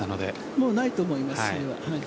もうないと思います。